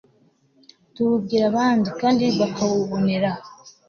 tuwubwira abandi kandi bakawubonera